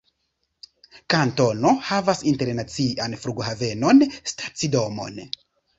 Kantono havas internacian flughavenon, stacidomon.